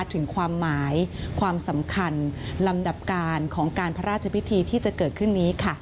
ถึงความหมายความสำคัญลำดับการของการพระราชพิธีที่จะเกิดขึ้นนี้ค่ะ